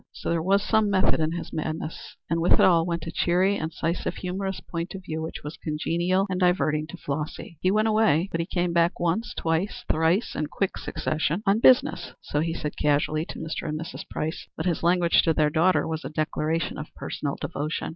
So there was some method in his madness. And with it all went a cheery, incisive, humorous point of view which was congenial and diverting to Flossy. He went away, but he came back once twice thrice in quick succession. On business, so he said casually to Mr. and Mrs. Price, but his language to their daughter was a declaration of personal devotion.